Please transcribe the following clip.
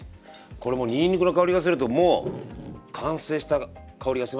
これもうにんにくの香りがするともう完成した香りがしますね。